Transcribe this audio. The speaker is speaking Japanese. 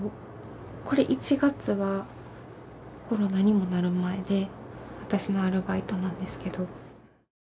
これ１月はコロナにもなる前で私のアルバイトなんですけど。